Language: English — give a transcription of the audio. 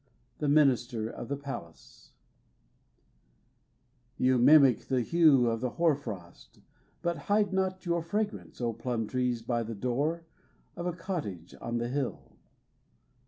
The Minister of the Palace You mimic the hue Of the hoar frost, But hide not your fragrance, O plum trees by the door Of a cottage on the hill